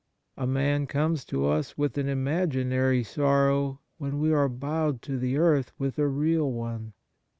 A man comes to us with an imaginary sorrow when we are bowed to the earth with a real one.